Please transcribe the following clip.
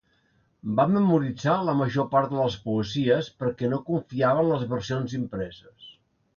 Va memoritzar la major part de les poesies perquè no confiava en les versions impreses.